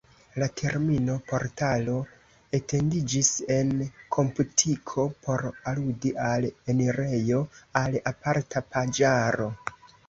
La termino "portalo" etendiĝis en komputiko por aludi al enirejo al aparta paĝaro.